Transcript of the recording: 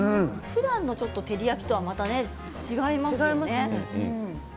ふだんの照り焼きとはまたちょっと違いますよね。